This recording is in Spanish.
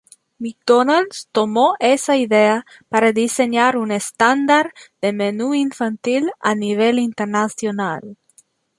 McDonald's tomó esa idea para diseñar un estándar de menú infantil a nivel internacional.